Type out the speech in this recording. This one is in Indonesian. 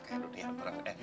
kayak dunia perang